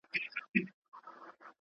که مواد پیچلي وي نو ساده کول یې اړین دي.